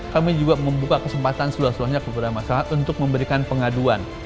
kami juga membuka kesempatan seluas luasnya kepada masyarakat untuk memberikan pengaduan